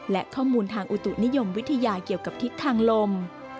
และข้อมูลทางอุตุนิยมวิทยาเกี่ยวกับทิศทางลม